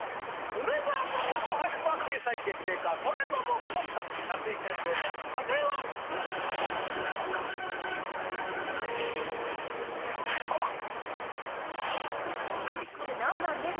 梅沢富美男の俳句は掲載決定か⁉それともボツか⁉夏井先生の査定は⁉パワー！